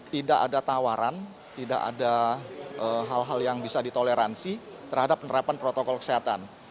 tidak ada tawaran tidak ada hal hal yang bisa ditoleransi terhadap penerapan protokol kesehatan